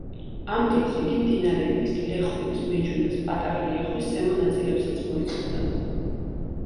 ამ დროს იგი მდინარეების ლეხურის, მეჯუდას, პატარა ლიახვის ზემო ნაწილებსაც მოიცავდა.